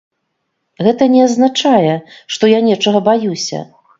Гэта не азначае, што я нечага баюся.